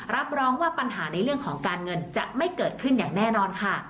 รับรองว่าปัญหาในเรื่องของการเงินจะไม่เกิดขึ้นอย่างแน่นอนค่ะ